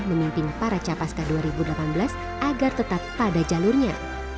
memimpin para capaska dua ribu delapan belas agar tetap pada jalurnya